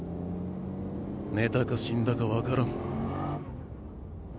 寝たか死んだかわからん。